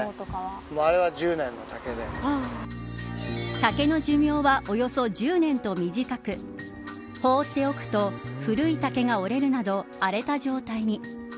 竹の寿命はおよそ１０年と短く放っておくと古い竹が折れるなど荒れた状態に。